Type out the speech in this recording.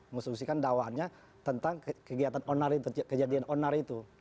mengkonstruksikan dakwaannya tentang kegiatan onar kejadian onar itu